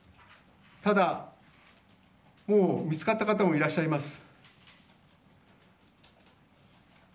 ただ、もう見つかった方もいらっしゃいます。